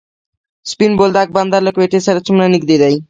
سپین بولدک بندر له کویټې سره څومره نږدې دی؟